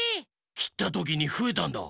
きったときにふえたんだ。